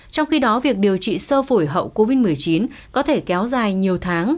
trong khi đó việc điều trị sơ phổi hậu covid một mươi chín có thể kéo dài nhiều tháng